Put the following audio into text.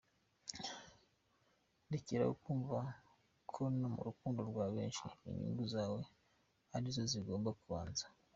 Rekera aho kumva ko mu rukundo rwa mwembi inyungu zawe ari zo zigomba kubanza.